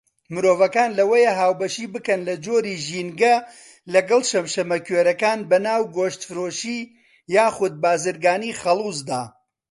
مرۆڤەکان لەوەیە هاوبەشی بکەن لە جۆری ژینگە لەگەڵ شەمشەمەکوێرەکان بەناو گۆشتفرۆشی یاخود بارزگانی خەڵوزدا.